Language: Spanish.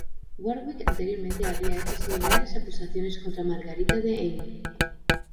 Warwick anteriormente habría hecho similares acusaciones contra Margarita de Anjou.